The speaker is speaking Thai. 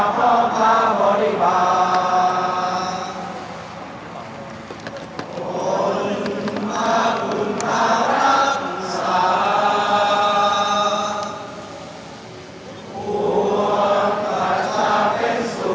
โปรดติดตามตอนต่อไป